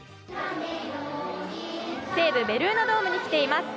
西武ベルーナドームに来ています。